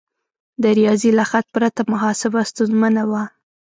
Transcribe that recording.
د ریاضي له خط پرته محاسبه ستونزمنه وه.